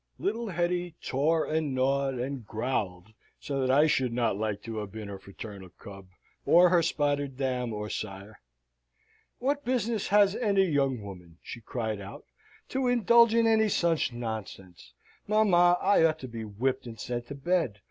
Little Hetty tore and gnawed, and growled, so that I should not like to have been her fraternal cub, or her spotted dam or sire. "What business has any young woman," she cried out, "to indulge in any such nonsense? Mamma, I ought to be whipped, and sent to bed.